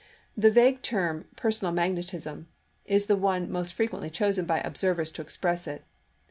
The vague phrase " personal magnetism n is the one most frequently chosen by observers to express it.